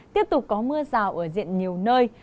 tiếp tục có mưa rào ở diện nhiều nơi